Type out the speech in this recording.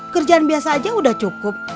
kerjaan biasa aja udah cukup